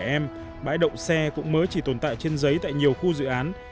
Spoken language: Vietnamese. nhưng bãi động xe cũng mới chỉ tồn tại trên giấy tại nhiều khu dự án